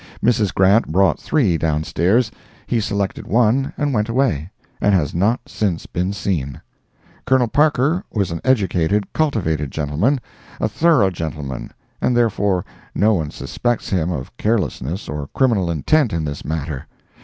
Mrs. Grant brought three downstairs; he selected one, and went away, and has not since been seen. Col. Parker was an educated, cultivated gentleman—a thorough gentleman—and therefore no one suspects him of carelessness or criminal intent in this matter.